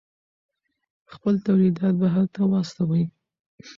خپل تولیدات بهر ته واستوئ.